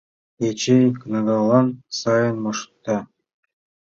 Эчей кнагалан сайын мошта...